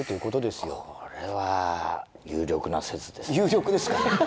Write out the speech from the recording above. これは有力な説ですね。